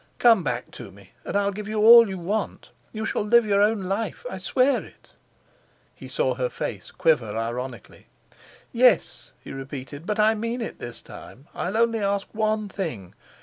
Come back to me, and I'll give you all you want. You shall live your own life; I swear it." He saw her face quiver ironically. "Yes," he repeated, "but I mean it this time. I'll only ask one thing.